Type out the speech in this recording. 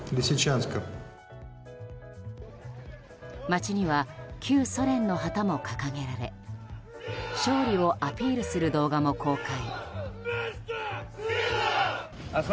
街には旧ソ連の旗も掲げられ勝利をアピールする動画も公開。